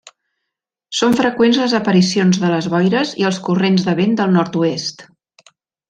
Són freqüents les aparicions de les boires i els corrents de vent del Nord-oest.